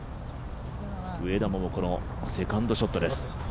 上田桃子のセカンドショットです。